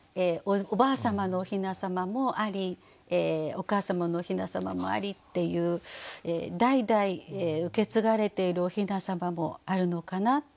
おばあ様のおひなさまもありお母様のおひなさまもありっていう代々受け継がれているおひなさまもあるのかな。